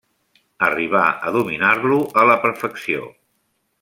Arribà a dominar-lo a la perfecció.